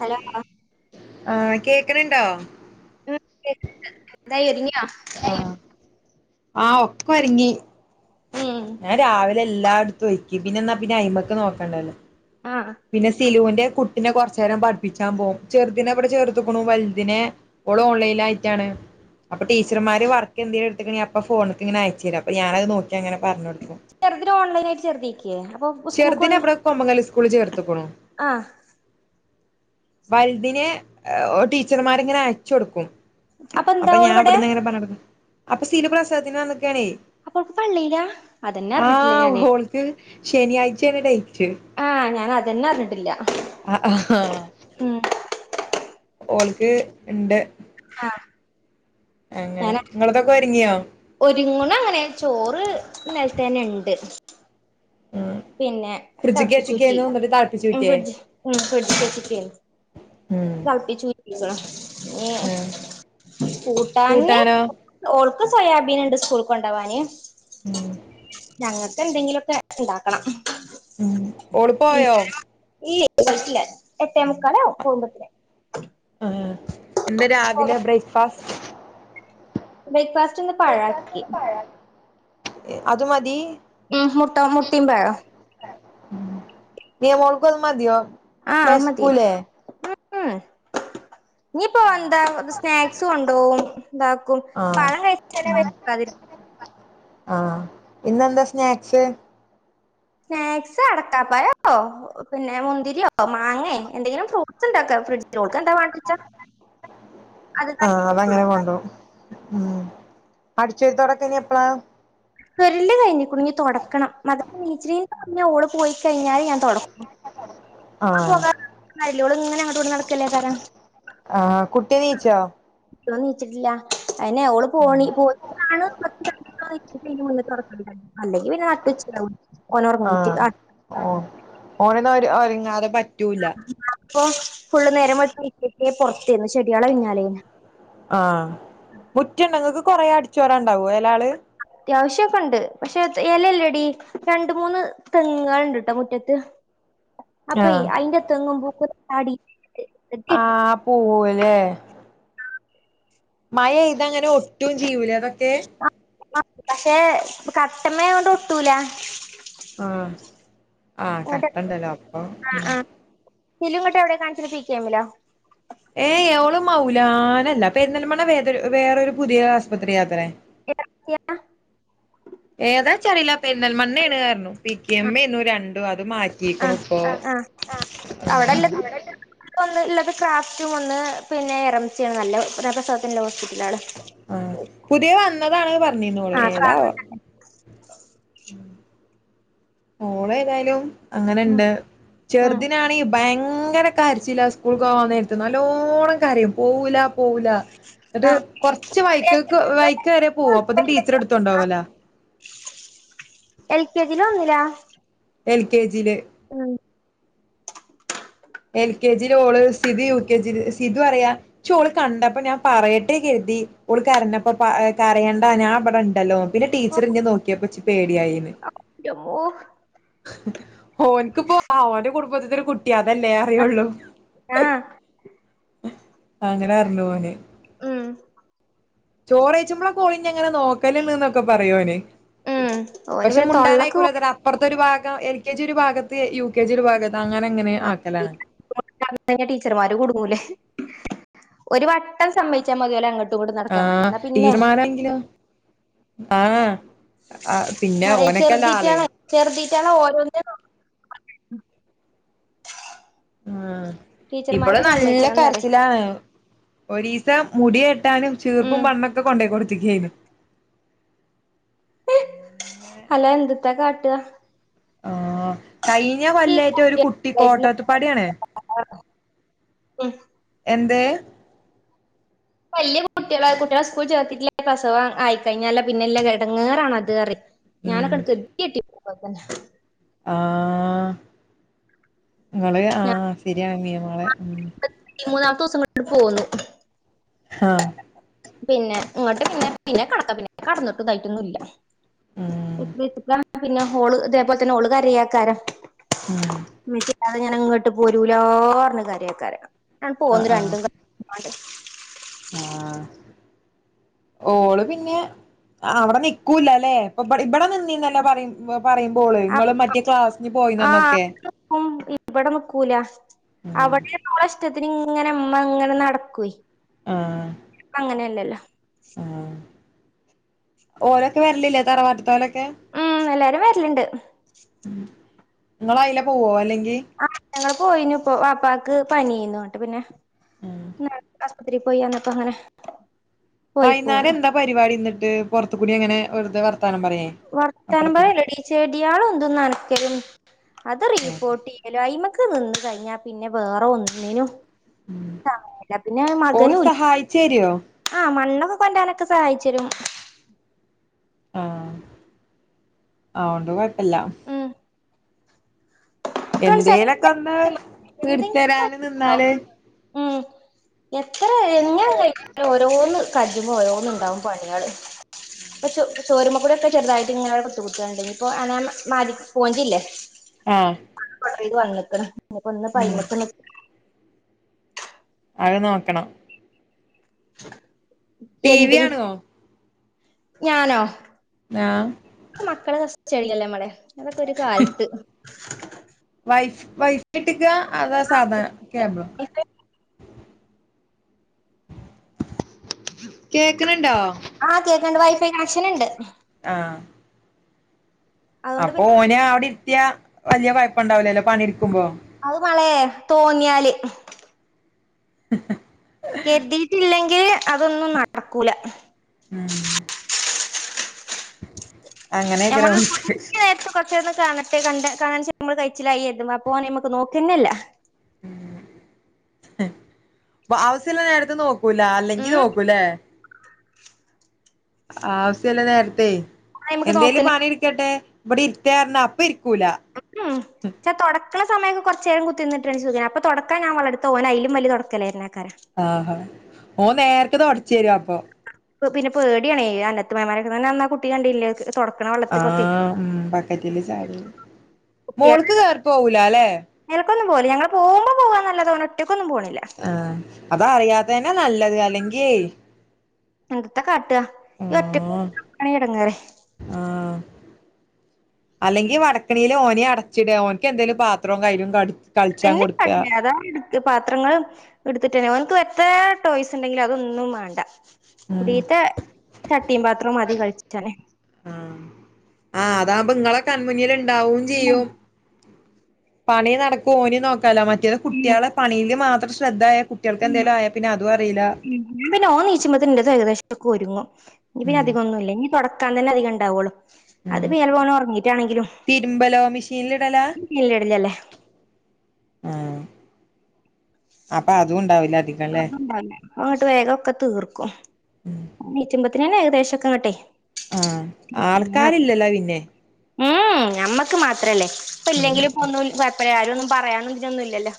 Hello ആഹ് കേക്കണ് ണ്ടോ എന്തായി ഒരുങ്ങിയോ? ആ ആ ഒക്കൊരുങ്ങി ഉം ഞാൻ രാവിലെ എല്ലായിടത്തും ഒരുക്കി പിന്നെന്നാ പിന്നെ അയിമക്ക് നോക്കണ്ടല്ലോ ആഹ് പിന്നെ സിലൂന്റെകുട്ടിനെ കൊറച്ചേരം പട്‌ പ്പിച്ചാൻ പോവും ചെർതിനെവിടെ ചേർത്ത്ക്ക്‌ണു വലുതിനെ ഓൾ ഓൺലൈൻ ആയിട്ടാണ് അപ്പൊ ടീച്ചർമാര് വർക്കന്തേലും എടുത്തുക്കണെങ്കി അപ്പൊ ഫോണേക്കങ്ങനെ അയച്ചേരും അപ്പൊ ഞാനത് നോക്കി അങ്ങനെ പറഞ്ഞൊടുക്കും- ചെറുതിന് ഓൺലൈൻ ആയിട്ട് ചെറുതീരിക്കേ അപ്പൊ ഉസ്കൂൾക്ക്- ചെറുതിനെ ഇവിടെ കൊമംഗലി സ്കൂളിൽ ചേർത്തുക്കണു ആഹ- വലുതിനെ ടീച്ചർമാർങ്ങനെ അയച്ച കൊടുക്കും- എന്താ അപ്പൊ ഓള് ഞാൻ ഇവിടെ അവിടുന്ന് എങ്ങനെ പറഞ്ഞു കൊടുക്കും അപ്പൊ സീപ പ്രസവത്തിനാണന്ന്- അപ്പൊ ഓൾക്ക് പള്ളീലാ അതന്നെ അറിഞ്ഞിട്ടില്ല ആഹ ഞാന് ഹോളക്ക് ശനിയാഴ്ചണ ഇട- ആഹ ഞാൻ അതന്നെ അറിഞ്ഞിട്ടില്ല- ആഹ് ആഹ് ഉം ഓൾക്ക് ഇണ്ട്- അങ്ങനെ ഞനാ നിങ്ങളതൊക്കെ ഒരുങ്ങിയോ ഒരുങ്ങുണ് അങ്ങനെ ചോറ് ന നുണ്ട് - ഉം പിന്നെ ഫ്രിഡ്ജ്ക്ക് തളപ്പി ചുറ്റി വെച്ചക്കായിരുന്നു എന്നിട്ട് തളപ്പിച്ച് ഊറ്റിയേ ഫ്രിഡ്ജ ഉ ഫ്രിഡ്ജി കേറ്റി വച്ചിട്ട- ഉം തെളപ്പിച്ചുറ്റിയിരിക്കണ്- ആഹ് ങ് കൂട്ടാൻ കൂട്ടാനോ ഓക്ക ഓൾക്ക്- സോയാബീൻ ഉണ്ട് സ്കൂൾ കൊണ്ടവാാന് ഉം ഞങ്ങൾക്ക് എന്തെങ്കിലുമൊക്കെ ഉണ്ടാക്കണം ഉ എളപ്പയോ ഈ എട്ടേ മുുക്കാളെ കുമ്പത്തിലേ ആ എന്താ രാവിലെ ബ്രേക്ക്ഫാസ്റ്റ് ബ്രേക്ക്ഫാസ്റ്റ്ന്ന് പാഴാക്കി അത് മതി ഉം മുട്ട മുട്ടിയമ്പഴ മഴക്കൽ മതിയോ ആഹ അ മതി വെശക്കൂലേ ഇനിയിപ്പോൊ എന്താ സ്നാക്സും ഉണ്ടോും ഉണ്ടാക്കും ആഹ് പളം കഴിച്ചെ വക്കാതിരിക്ക ആഹ ഇന്നെന്താ സ്നാക്സ് സ്നാക്സ് അടക്കാപ്പായോ പിന്നെ മുന്തിരിയോ മാങ്ങേ എന്തെങ്കിലും ഫ്രൂട്ട്സ് ഉണ്ടാക്ക ഫ്രിഡ്ജിലോൾക്ക എന്താ വാിച്ച ആഹ അതങ്ങനെ കൊണ്ട ഉം അടിച്ചേരുത്തോടൊക്കെ ഇനി എപ്പഴാ കരല് കഴിഞ്ഞി കുടുങ്ങി തുടക്കണം മത നീച്ചിലീ പറഞ്ഞ ഓള് പോയി കഴിഞ്ഞാല് ഞാൻ തുടക്കും. ഓൾ ആഹ് പോകാഞ്ഞാൽ അങ്ങട്ടും ഇങ്ങട്ടും ങ്ങനെ നടക്കും ക്കല്ല കാരം ആഹ കുട്ടിയ നീച്ചോ ന്ന നീച്ചിട്ടില്ല അന്നേ ഓള് പോണി പോയിട്ടാണ് മുന്ന തുറക്ക അല്ലെങ്കിൽ പിന്നെ നട്ടുച്ച ആഹ ഓ ഓനന്ന ഒര്ങ്ങാതെ പ്പൊ ഫുള്ള് നേരംട്ട പറത്തന്ന് ചെടികളെ പിന്നാലേന്ന് ആഹ മുറ്റുണ്ടെങ്കക്ക് കൊറെേ അടിച്ചോര ഉണ്ടാവൂ അലാള് അത്യാവശ്യംൊക്കെ ഉണ്ട് പക്ഷെ ഇലല്ലേടി രണ്ട മൂന്ന് തെങ്ങുണ്ട് ട്ടോ മുറ്റത്ത് അപ്പൊ ആഹ് അയിന്റെ തെങ്ങും പൂക്ക ചാടി ആഹ് പോവ അല്ലേ മഴ ഇതങ്ങനെ ഒട്ടും ചെയ്യൂലേ അതൊക്കെ പക്ഷെ കട്ടമ്മൊണ്ട് ഒട്ടൂല ആഹ ഇങ്ങട്ട് കട്ടണ്ടല്ലോ അപ്പൊ ഉ ചിലുങ്ങോട്ട എവിടെ കാണസരിപ്പിക്കുകമിലോ ഏ് അവള് മൗലാനല്ല അപ്പൊ എാലും വേ വ വേറരു പുതിയ ആസ്പത്രി യാത്രേ ഏത ചരി ലക്ക തെണ്ന്നൽമണ്ണ ആണ് കാരണു പി ക എമ്മ എന്നും രണ്ടും അത് മാറ്റിക്കണ ഇപ്പൊ അവിടെല്ല ക്രാഫ്റ്റും ഒന്ന് പിന്നെ ഇറമിച്ചിയാണ് നല്ല പ്രസവത്തിൻ്റെ വസ് ആഹ പുതിയ വന്നതാണ് പറഞ്ഞന്നോളു ആഹ് ഏതാ ഓള ഏതായാലും ഉം അങ്ങനെണ്ട് ഉം ചെറുത്തിനാണെങ്കിൽ ഭയ അങ്ങനൊ കരിച്ചില്ല സ്കൂൾ പോവാന്ന നേരത്ത് നല്ലോണ്ണം കരയും പോവൂല പോവൂല ഒരു ആഹ് കുറച്ച് വൈ വൈക്ക് വരെ പോവുംും അപ്പൊ ഇതിന്റെ ടീച്ചർ എടുത്തണ്ടാവല്ല എൽ കെ ജില ഒന്നില്ല എൽ കെ ജിയിലെ എൽ കെ ജി ഓള് സി യു കെ ജി സിത് പറയാ പ ഓള് കണ്ടപ്പോ ഞാൻ പറയട്ടേക്ക എ ഉൾ കരഞ്ഞപ്പോ കരെണ്ട ഞാൻ ബടെ ടെണ്ടല്ലോ പിന്നെ ടീച്ചറി ഇ നോക്കിയപ്പോ ന്റെ അമ്മോ ഓനക്ക്പ്പോ ഓന്റെ കുടുംബത്തിത്തെ ഒരു കുട്ടി ട്ട അതല്ലേ അറിയുള്ളൂ ആഹ് അങ്ങനെ അറിഞ്ഞു പോനെ ഉം ചോറയച്ചുമ്പളാ കോളിഞ്ഞ എങ്ങനെ നോക്കലന്നൊക്കെ പറയോനെ ഉം ഓന് പക്ഷെ പിന്നെ മുണ്ടാനൻ തൊള്ളക്ക് ആയിക്കൂലതെ അപ്പുറത്തെ ഒരു ഭാഗം എൽ കെ ജി ഒരു ഭാഗത്ത് യു കെ ജി ഒരു ഭാഗത്ത് അങ്ങനെ അങ്ങനെ ആ ആക്കലാണ് ടീച്ചർമാര് ലെ ഒരു വട്ടം സമ്മവച്ചാൽ മതിപലെ അങ്ങോട്ട് ആഹ തീരുമാനങ്കിലോ ആഹ ആ പിന്നെ ഓനക്കല്ല ആള് ട്ട ഓര ഉം ഇവിടെ നല്ല സമ്മയിച്ചണംന്നറിം കരച്ചിലാണ് ഒരീസ മുടിെട്ടാനും ചീർപ്പും ഉം പണ്ണൊക്കെ കൊണ്ട പോോയി കൊടുത്തക്കുകായിരുന്നു അല എന്തത്താ കാട്ടുക ആഹ കഴിഞ്ഞ കൊല്ലായിറ്റ ഒരു കുട്ടി കുട്ടികളായിട്ടില്ല കോട്ടത്ത്ുപ്പാട ആണേ ആഹ [inaudible] വല്ിയ കുട്ടികള കുട്ടികളെ സ്കൂൾ ചേർത്തിട്ട കസവം ആയിക്കഴിഞ്ഞാല പിന്നെല്ല കിടങ്ങറാണ് അത്റി ഞാനൊക്കട ക കട്ടി തന്നെ ആഹ നിങ്ങള് ഞാൻ ആഹ ശരിയാ നളെ ഉ മൂന്നാമത്തെ ദിവസം കട്ട് പോന്നു ആഹ പിന്നെ ഇങ്ങോട്ട് പിന്നെ പിന്നെ കടക്ക പിന്നെ കടന്നിട്ട് ഇതായിട്ടൊന്നും ഇല്ല ഉം ഇത്ര ഇത്ര പിന്നെ ഹോള് അതേപോലെ തന്നെ ഹോള്ുകാര ആക്കാര ഉം മിസിതെ ഞാൻ ഇങ്ങോട്ട് പോരൂലഞ്ഞ കാര്ക്കാര ഞാൻ പോുന്നു രണ്ട ദിവസ ആഹ [inaudible] ഓള് പിന്നെ അവിടെ നിിക്കൂലല്ലേ ഇപ്പ ഇവിടെ നിന്ദീന്നല്ല പറയും പറയുമ്പോള് ആ നിങ്ങള് മറ്റേ ക്ലാസ്സിന് ആഹ് പോയിുന്നന്നൊക്കെ നിക്കും ഇവിടെ നക്കൂല അവിടെ നോ ഇഷ്ടത്തിന് ഇങ്ങനെ അമ്മ ഇങ്ങനെ നടക്കൂ ആഹ് അങ്ങനെയല്ലല്ലോ ഓരൊക്കെ വരലില്ലേ തറവാട്ടത്തനൊക്കെ ഉം എല്ലാരും വരലണ്ട് നിങ്ങ അയില പോവോ അല്ലെങ്കി ഞങ്ങള്ൾ പോയിു ഇ വാപ്പാക്ക് പനി ചെയുന്നണ്ട് പിന്നെ ഉം അത്തിരി പോയിന്നപ്പ അങ്ങനെ പോയി വൈകുന്നേരം പോന്ന് എന്താ പരിപാടി എന്നിട്ട് പുറത്ത കൂടി അങ്ങനെ വെുെ വ വർത്താനം പറയല്ലെടീ ചെടിയാള എന്തും നനക്കും അത് ഉം റീപ്പോർട്ട് ചെയ്യലോ അയി്മക്ക് നിന്ന കഴിഞ്ഞാ പിന്നെ വേറെ ഒന്നിനു ഉം പിന്നെ ഓള് മകനും സഹായിച്ചേരോ ആഹ് മണ്ണും കൊണ്ടാനൊക്കെ സഹായിച്ച് തരും ആഹ് അതോണ്ട് കുഴപ്പില്ല ഉം എന്തേലൊക്കെ ഒന്ന് എന്തെങ്കിലും തീർത്തരാന് നിന്നാല് ഉം എത്ര എങ്ങനെ കഴിക്ക ഓരോന്ന് കഴിയുമ്പോ ഓരോന്ന് ഇണ്ടാവും പണികള് [inaudible] ഇപ്പ ചോരുമ്മെ കൂടെ ഒക്കെ ചെറുതായിട്ട് ഇങ്ങനവിടെ കുത്ത് കുത്ത്ണ്ട് ഇപ്പോ അനമാ സ്പോഞ്ചില്ലേ ആഹ് സ്‌ക്രബർ വാങ്ങിയേക്കണ് ഇപ്പ ഇന്നിപ്പം ഉം അയ്മേക്ക് അത് നോക്കണം [inaudible] ടി വി എന്തെ കാണുവോ ഞാനോ [unintelligible] മക്കളെ [unintelligible] ല്ല്യല്ലൊമ്മളെ അതൊക്കെ ഒരു കാലത്ത് വൈഫ് വൈഫൈട്ടിക്ക അതോ സാദാ കേബിളോ കേക്ക്ണ് ണ്ടോ ആഹ് കേക്ക്ണ്ട് വൈഫൈ കണക്ഷൻ ഇണ്ട് ആഹ് അതുകൊണ്ട് അപ്പൊ പിന്നെ ഓനെ അവിടെ ഇരുത്തിയ വലിയ കൊയപ്പണ്ടാവുലല്ലോ പണി ഇട്ക്കുമ്പോ അത് മളേ തോന്നിയാല് കെരുതിയിട്ടില്ലെങ്കില് അതൊന്നും നടക്കൂല മ് അങ്ങനെയ്ക്കാരം ഞമ്മള് [unintelligible] ഓൻക്ക് നേരത്ത് [unintelligible] കാണട്ടെ കണ്ട കാണ്ച്ച നമ്മള് കയ്ച്ചിലായി കര്തും അപ്പൊ ഓന് അയ്മക്ക് നോക്കന്നെ ല്ല ആവസ്യം ഇള്ള നേരത്ത് നോക്കൂല അല്ലെങ്കി ഉം നോക്കലും ലേ ആവസ്യല്ല നേരത്തെ ഓന് അയ്മക്ക് എന്തേലും നോക്കന്നെ പണി ഇട്ക്കട്ടെ ഇവിടെ ഇര്ക്കേപറഞ്ഞാ അപ്പ ഇര് [unintelligible] ചാ തൊടക്കാ സമയ ക്കെ കൊറച്ചേരം കുത്തി ഇരുന്ന്ട്ടാണെങ്കി സുഖാണ് അപ്പോ തൊടയ്ക്കാൻ ഞാൻ വള്ളട്ത്താ ഓൻ അയ്ലും വല്യ തൊടയ്ക്കലേരനാ ആഹ് ഹാ ഓന് നേരക്ക് തൊടച്ചേരും അപ്പൊ ഇപ്പ പിന്നെ പേടിയാണേ അന്നത്ത് മേമാൻ്റെ ക്കന്ന് ആ കുട്ടി കണ്ടില്ലെ ആഹ് ഉം ബക്കറ്റില് ചാടിയെ കുട്ട്യാള് മോള്ക്ക് കേറി പോവൂലാല്ലേ മേലക്കൊന്നും പോവൂല ഞങ്ങള് പോവുമ്പോ പോവാന്നല്ലാതെ ഓന് ഒറ്റക്കൊന്നും പോണില്ല ആഹ് അത് അറിയാതന്നെ നല്ലത് അല്ലെങ്കി എന്തത്ത കാട്ട ഈ ഒറ്റക്ക് [unintelligible] എടങ്ങറ് ആഹ് അല്ലെങ്കി വടക്കണില് ഓനെയും അടച്ചിട ഓന്ക്ക് എന്തേലും പാത്രവും കൈലും കട് [unintelligible] ക്ക് പാത്രങ്ങളും ഇടുത്തിട്ടന്നെ ഓൻക്ക് എത്രേ ടോയ്സ് ഇണ്ടെങ്കിലും അതൊന്നും വാണ്ട ഉം കുടീത്തെ ചട്ടിയും പാത്രം മതി കളിച്ചാന് കൺമുന്നില് ഇണ്ടാവും ചെയ്യും പണിം നടക്കും ഓനെം നോക് കല മറ്റേത് കുട്ടിയാളെ പണിയില് മാത്രം ശ്രദ്ധ ആയ ഇൻ്റെന്നെ ഓൻ നീച്ച്മ്പത്തിന് ഇൻ്റെത് ഏകദേശം ഒക്കെ ഒരുങ്ങും ഇഞ്ഞ് പിന്നെ ഉം അധികമൊന്നുല്ല ഇഞ്ഞി തൊടക്കാൻ തന്നെ അധികം ഉണ്ടാവൊള്ളു അത് ഉം പിന്നെള്ളത് ഓൻ ഒറങ്ങീറ്റാണെങ്കിലും തിരുമ്പലോ മെഷീനിലിടലാ [unintelligible] ല്ല്യല്ലേ ആഹ് അപ്പ അതും ഉണ്ടാവു [unintelligible] അങ്ങട്ട് വേഗൊക്കെ തീർക്കും നീച്ച്മ്പോ ത്തിനന്നെ ഏകദേശൊക്കെ അങ്ങട്ടെ ആഹ് ആൾക്കാരില്ലല്ലോ പിന്നെ ഉം ഞമ്മക്ക് മാത്രല്ലേ ഇപ്പ ഉം ഇല്ലെങ്കിലി ഇപ്പൊ ഒന്നും കൊഴപ്പല്ല ആരും ഒന്നും പറയാനുതിനൊന്നുംല്ലല്ലോ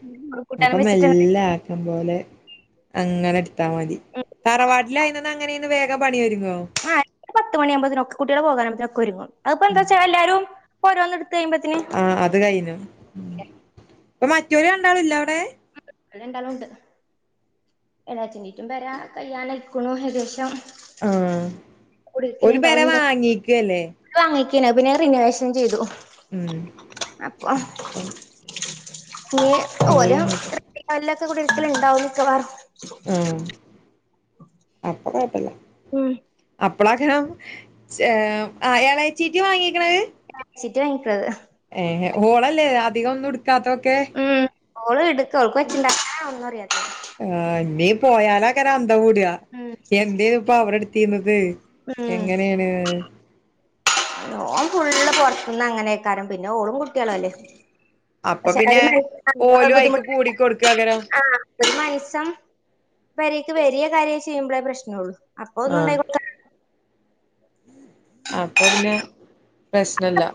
[unintelligible] കൂട്ടാൻ വെച്ച് [unintelligible] അത്പോലെ അങ്ങനെ ഇട്ത്താ മതി തറവാട്ടിലായിന്നന്ന് അങ്ങനെന്ന് വേഗം പണി ഒര് ആ [unintelligible] പത്ത് മണിയാവുമ്പത്തിന് ഒക്കെ കുട്ടിയോള് പോകാനാവുമ്പത്തിന് ഒക്കെ ഒരുങ്ങും അത്പ്പോ എന്താച്ചാ എല്ലാരും ഓരോന്ന് ട് ആഹ് അത് കയ്ഞ്ഞു ഇപ്പൊ മറ്റോ ല് രണ്ടാള് ല്ലേ അവിടെ ഓര് രണ്ടാളും ഉണ്ട് എളേച്ചനീറ്റും പെരാ കയ്യാനയ്ക്ക്ണു ഏകദേശം ആഹ് ഓല് പെര കുടിയിരിക്കലുണ്ടാവും വാ ങ്ങീക്കല്ലേ പിന്നെ അത് പിന്നെ റിനോവേഷൻ ചെയ്തു ഉം അപ്പൊ അപ്പം ഇഞ്ഞ് ഓല് ഇപ്പോലും അങ്ങട്ട് [unintelligible] ലൊക്കെ കുടിര്ക്കല്ണ്ടാവും മിക്കവാറും അപ്പ കൊയപ്പല്ല ഉം അപ്പളാക്കരം ച്ച് ഏ എളേച്ചിറ്റ്വാ വാങ്ങിക്ക്ണത് അഴച്ചിട്ട് വാക്കിത്- ഏഹ് ഹോളല്ലേ അധികം ഒന്നുംടു- കത്തോക്കെ ഉം ഓള് ഇടുക്ക ഓൾക്ക് വെച്ചിണ്ടാക്കാനാ ഒന്നും അറിയാത്ത ആഹനി- പോയാലകലം- എന്താ കൂടിയാ ഉം എന്തേ ഇപ്പ അവിടെ എടുത്തിന്നത് ഉം എങ്ങനെയാണ്- ഓൻ ഫുള്ളും പുറത്തന്ന് അങ്ങനെയൊക്കാരും പിന്നെ ഓളും കുട്ടികള അല്ലേ- അപ്പൊ പക്ഷെ പിന്നെ ഓലും അയിക്ക് ബുദ്ധിമുട്ട കൂടിക്കൊടുക്കാക്കാരം ആ ഒരു മസം- വരെക്ക് വരിയ കാര്യമം ചെയ്യുമ്പോളേ പ്രശ്നമള്ളു അപ്പൊ ഒന്നും ആഹ് ഉണ്ടായികൂടാ- അപ്പൊ പിന്നെ പ്രശ്നല്ല-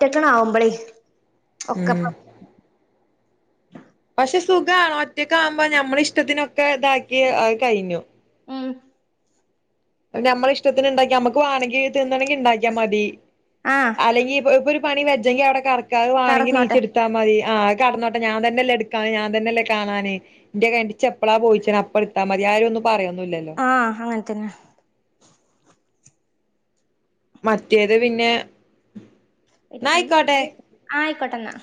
ഒറ്റെക്കണ ആാവുമ്പളേ- ഉം- പക്ഷെ സുഖണോ ഒറ്റക്ക ആവുമ്പോ മ്മള ഇഷ്ടത്തിനൊക്കെ ഇതാക്കി അത് കഴിഞ്ഞു- ഉം ഞമ്മള ഇഷ്ടത്തിന് ഇണ്ടാക്കി നമുക്ക് വാണങ്കി തിന്നാണങ്കി ഇണ്ടാക്കിയ മതി ആ അല്ലെങ്കി ഇപ്പോ ഇപ്പോരു പണി വെച്ചെങ്കി അവിടെ കറ ക്കാവ്ണെങ്കി കടന്നോട്ടെ നീച്ചെടുത്താ മതി ആഹ് കടന്നോട്ടെ ഞാ തന്നല്ലേ എട് ക്കാ ഞാൻ തന്നല്ലേ കാണാന് ഇന്റെ [unintelligible] പോയിച്ച അപ്പടുത്താ മതി ആരും ഒന്നും പറയോ ആഹ് അങ്ങത്തനെ മറ്റേത് പിന്നെ ന്നാ ആയിക്കോട്ടെ [unintelligible] പെട്ടന്ന്